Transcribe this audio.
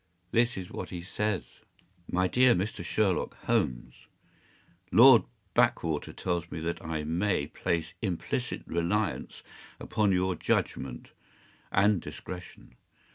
This is what he says: “‘My dear Mr. Sherlock Holmes,—Lord Backwater tells me that I may place implicit reliance upon your judgment and discretion.